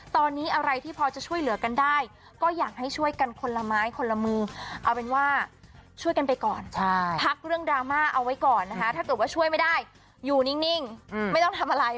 ก็เอาไว้ก่อนถ้าเกิดช่วยไม่ได้อยู่นิ่งไม่ต้องทำอะไร